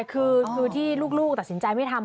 คือที่ลูกตัดสินใจไม่ทำ